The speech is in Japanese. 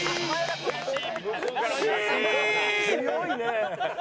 強いねえ。